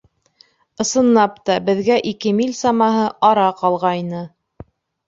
Ысынлап та, беҙгә ике миль самаһы ара ҡалғайны.